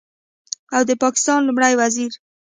او د پاکستان لومړي وزیر